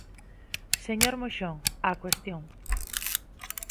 Señor Moxón, á cuestión.